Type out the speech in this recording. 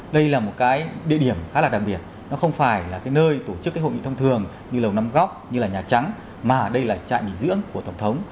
đây là một địa điểm khá là đặc biệt nó không phải là nơi tổ chức hội nghị thông thường như lầu năm góc như là nhà trắng mà đây là trại bình dưỡng của tổng thống